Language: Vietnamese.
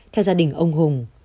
theo gia đình ông hùng